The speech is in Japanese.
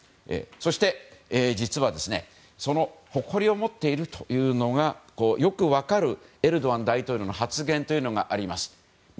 そして、実はその誇りを持っているというのがよく分かるエルドアン大統領の発言があります。